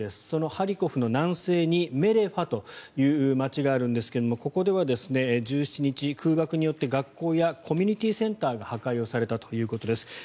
そのハリコフの南西にメレファという街があるんですがここでは１７日、空爆によって学校やコミュニティーセンターが破壊をされたということです。